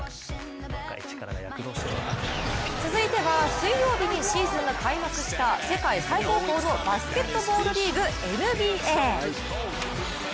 続いては水曜日にシーズンが開幕した世界最高峰のバスケットボールリーグＮＢＡ。